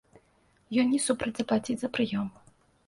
Ён не супраць заплаціць за прыём.